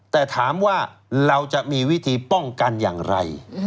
แต่ถามว่าเราจะมีวิธีป้องกันอย่างไร